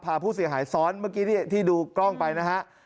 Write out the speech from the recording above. พาผู้เสียหายซ้อนเมื่อกี้ที่ดูกล้องไปนะฮะ